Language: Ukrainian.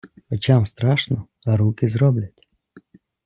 Очам страшно, а руки зроблять.